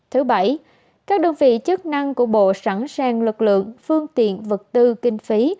thứ bảy các đơn vị chức năng của bộ sẵn sàng lực lượng phương tiện vật tư kinh phí